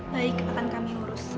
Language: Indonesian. baik akan kami urus